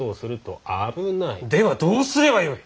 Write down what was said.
ではどうすればよい。